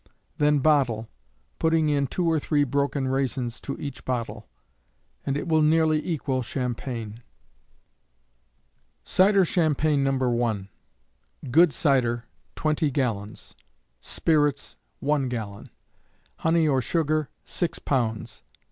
Then bottle, putting in 2 or 3 broken raisins to each bottle, and it will nearly equal Champagne. Cider Champagne, No. 1. Good cider, 20 gallons; spirits, 1 gallon; honey or sugar, 6 lbs.